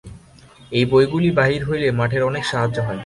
ঐ বইগুলি বাহির হইলে মঠের অনেক সাহায্য হয়।